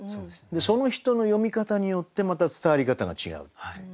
その人の読み方によってまた伝わり方が違うっていう。